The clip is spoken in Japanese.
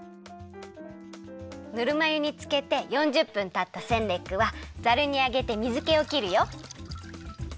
ぬるま湯につけて４０分たったセンレックはざるにあげて水けをきるよ。